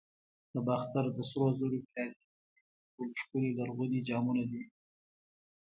د باختر د سرو زرو پیالې د نړۍ تر ټولو ښکلي لرغوني جامونه دي